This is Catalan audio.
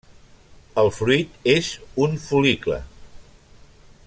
El fruit és un fol·licle.